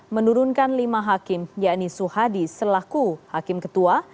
menurunkan lima hakim yakni suhadi selaku hakim ketua